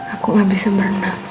aku gak bisa berenang